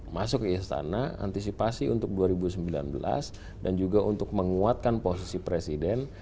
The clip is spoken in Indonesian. masuk ke istana antisipasi untuk dua ribu sembilan belas dan juga untuk menguatkan posisi presiden